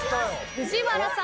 藤原さん